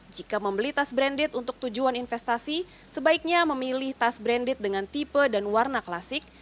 jika membeli tas branded untuk tujuan investasi sebaiknya memilih tas branded dengan tipe dan warna klasik